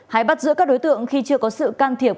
hay bắt giữ các đối tượng khi chưa có sự can thiệp